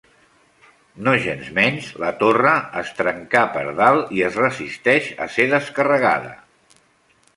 Nogensmenys la torre es trencà per dalt i es resisteix a ser descarregada.